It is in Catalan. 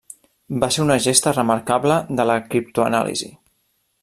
Va ser una gesta remarcable de la criptoanàlisi.